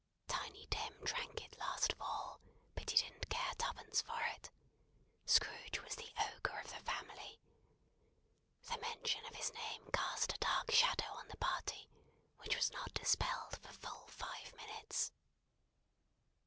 Tiny Tim drank it last of all, but he didn't care twopence for it. Scrooge was the Ogre of the family. The mention of his name cast a dark shadow on the party, which was not dispelled for full five minutes.